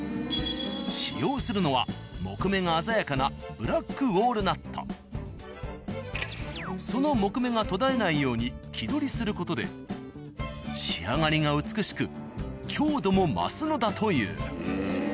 使用するのは木目が鮮やかなその木目が途絶えないように木取りする事で仕上がりが美しく強度も増すのだという。